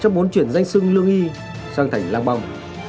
cho muốn chuyển danh sưng lương y sang thành lang bông